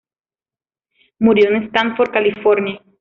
Murió en Stanford, California.